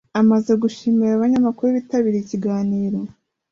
Amaze gushimira abanyamakuru bitabiriye ikiganiro,